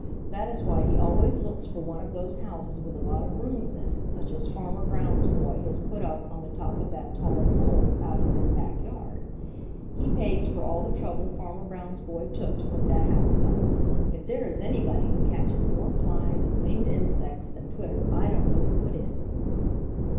That is why he always looks for one of those houses with a lot of rooms in it, such as Farmer Brown's boy has put up on the top of that tall pole out in his back yard. He pays for all the trouble Farmer Brown's boy took to put that house up. If there is anybody who catches more flies and winged insects than Twitter, I don't know who it is."